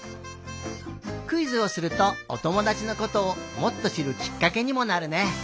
クイズをするとおともだちのことをもっとしるきっかけにもなるね。